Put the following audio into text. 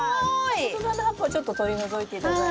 外側の葉っぱをちょっと取り除いて頂いて。